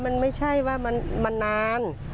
มันไม่ใช่ว่ามันนาน